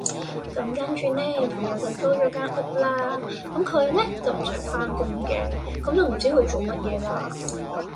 咁跟住呢，朋友就租咗間屋啦，咁佢呢，就唔使返工嘅，咁就唔知佢做乜嘢啦